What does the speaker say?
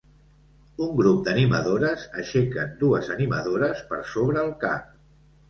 Un grup d'animadores aixequen dues animadores per sobre el cap